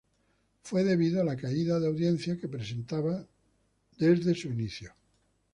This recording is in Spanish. Fue debido a la caída de audiencia que presentaba desde su inicio.